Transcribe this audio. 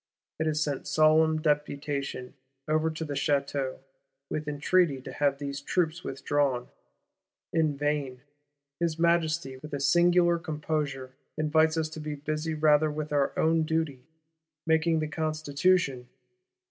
It has sent solemn Deputation over to the Château, with entreaty to have these troops withdrawn. In vain: his Majesty, with a singular composure, invites us to be busy rather with our own duty, making the Constitution!